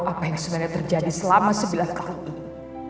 apa yang sebenarnya terjadi selama sebelas tahun ini